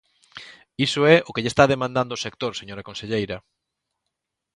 Iso é o que lle está demandando o sector, señora conselleira.